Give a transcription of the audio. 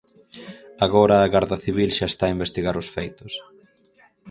Agora a Garda Civil xa está a investigar os feitos.